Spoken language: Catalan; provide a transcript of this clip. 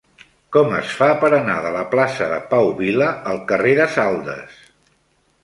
Com es fa per anar de la plaça de Pau Vila al carrer de Saldes?